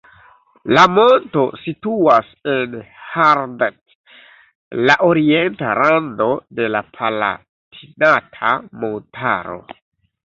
La monto situas en Haardt, la orienta rando de la Palatinata montaro.